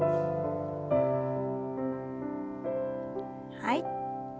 はい。